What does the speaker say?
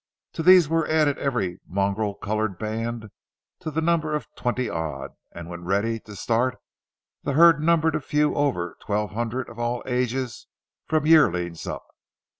To these were added every mongrel colored band to the number of twenty odd, and when ready to start the herd numbered a few over twelve hundred of all ages from yearlings up.